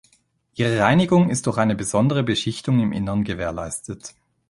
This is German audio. Ihre Reinigung ist durch eine besondere Beschichtung im Innern gewährleistet.